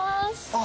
あ！